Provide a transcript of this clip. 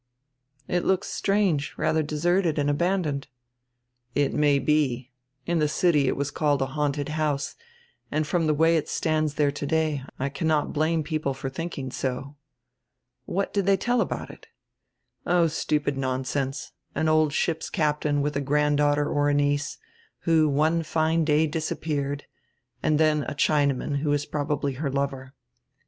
"It looks strange, radier deserted and abandoned." "It may be. In die city it was called a haunted house and from die way it stands diere today I cannot blame people for diinking so." "What did tiiey tell about it?" "Oh, stupid nonsense. An old ship's captain with a granddaughter or a niece, who one fine day disappeared, and dien a Chinaman, who was probably her lover.